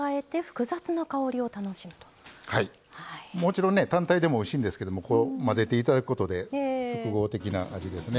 もちろんね単体でもおいしいんですけども混ぜていただくことで複合的な味ですね。